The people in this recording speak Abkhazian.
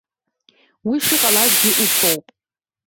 Уи шыҟалазгьы усоуп.